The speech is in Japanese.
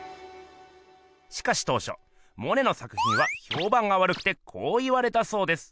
しかし当しょモネの作品はひょうばんがわるくてこう言われたそうです。